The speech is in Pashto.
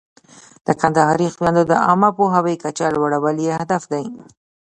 د کندهاري خویندو د عامه پوهاوي کچه لوړول یې هدف دی.